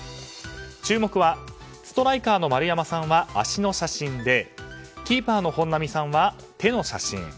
注目はストライカーの丸山さんは足の写真でキーパーの本並さんは手の写真。